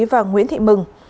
và nguyễn thị mừng